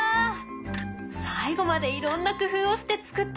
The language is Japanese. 最後までいろんな工夫をして作ったよね。